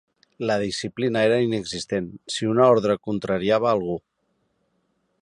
La disciplina era inexistent, si una ordre contrariava algú